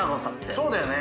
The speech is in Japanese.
そうだよね。